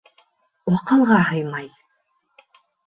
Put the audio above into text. Аҡылға һыймай